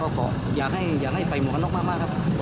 ก็อยากให้ไปหมวกกันน็อกมากครับ